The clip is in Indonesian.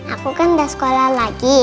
aku kan udah sekolah lagi